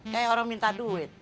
kayak orang minta duit